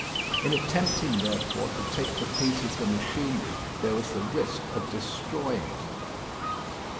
In attempting, therefore, to take to pieces the machinery, there was the risk of destroying it.